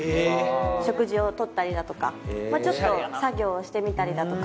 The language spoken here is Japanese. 食事を取ったりだとか、ちょっと作業をしてみたりだとか。